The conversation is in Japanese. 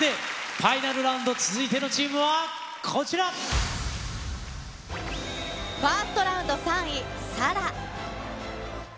ファイナルラウンド、続いてのチファーストラウンド３位、ＳＡＬＡＨ。